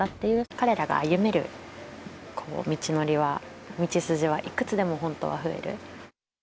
彼らが歩める道のりは、道筋はいくつでも本当は増える。